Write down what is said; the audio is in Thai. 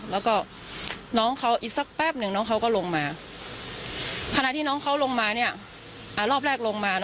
แล้วก็น้องเขาอีกสักแป๊บหนึ่งน้องเขาก็ลงมาขณะที่น้องเขาลงมารอบแรกลงมา